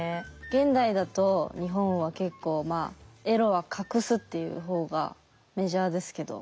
現代だと日本は結構エロは隠すっていう方がメジャーですけど。